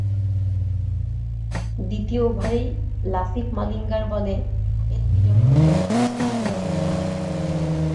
দ্বিতীয় ওভারেই লাসিথ মালিঙ্গার বলে এলবিডব্লু হয়ে ফিরে যান শেরজিল খান।